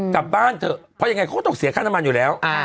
กลับบ้านเถอะเพราะยังไงเขาก็ต้องเสียค่าน้ำมันอยู่แล้ว